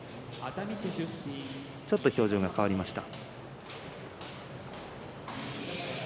ちょっと表情が変わりました。